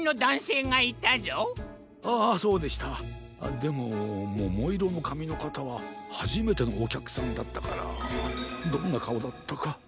でもももいろのかみのかたははじめてのおきゃくさんだったからどんなかおだったか。